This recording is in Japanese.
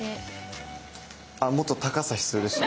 あもっと高さ必要でした？